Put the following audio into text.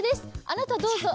あなたどうぞ。